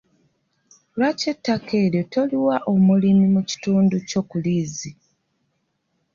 Lwaki ettaka eryo toliwa omulimi mu kitundu kyo ku liizi?